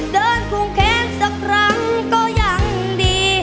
เดินคุ้มแขนสักครั้งก็ยังดี